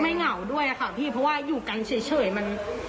เหงาด้วยค่ะพี่เพราะว่าอยู่กันเฉยมัน